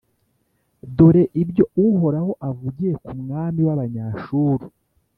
Dore ibyo Uhoraho avugiye ku mwami w’Abanyashuru: